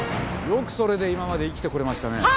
よくそれで今まで生きてこれましたね？